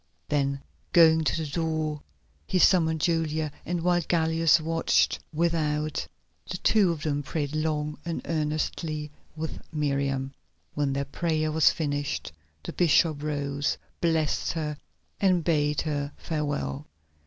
Then going to the door he summoned Julia, and while Gallus watched without, the two of them prayed long and earnestly with Miriam. When their prayer was finished the bishop rose, blessed her, and bade her farewell.